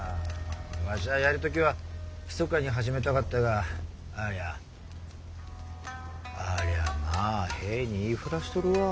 わしゃあやる時はひそかに始めたかったがありゃあありゃあまあ兵に言い触らしとるわ。